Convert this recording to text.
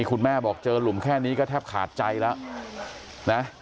คุณแม่บอกเจอหลุมแค่นี้ก็แทบขาดใจแล้วนะ